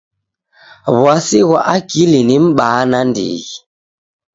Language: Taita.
W'asi ghwa akili ni m'baa nandighi.